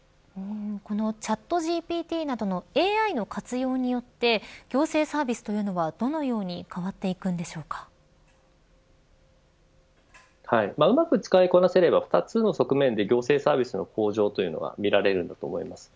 このチャットＧＰＴなどのＡＩの活用によって行政サービスというのはどのようにはい、うまく使いこなせれば２つの側面で行政サービスの向上がみられると思います。